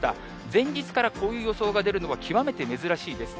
前日からこういう予想が出るのは極めて珍しいです。